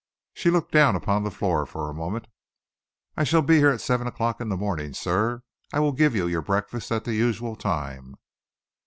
She looked down upon the floor for a moment. "I shall be here at seven o'clock in the morning, sir. I will give you your breakfast at the usual time."